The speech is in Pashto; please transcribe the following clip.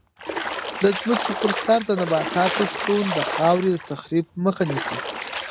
د ځمکې په سر د نباتاتو شتون د خاورې د تخریب مخه نیسي.